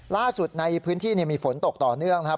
ล่าสุดในพื้นที่มีฝนตกต่อเนื่องนะครับ